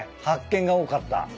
発見が多かった。